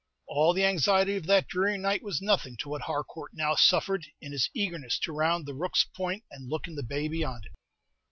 All the anxiety of that dreary night was nothing to what Harcourt now suffered, in his eagerness to round the Rooks' Point, and look in the bay beyond it.